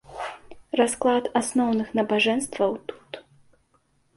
Расклад асноўных набажэнстваў тут.